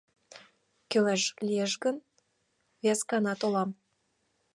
— Кӱлеш лиеш гын, вескана толам.